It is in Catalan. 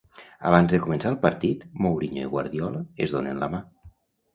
Abans de començar el partit, Mourinho i Guardiola es donen la mà.